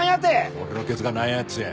俺のケツがなんやっつうんや？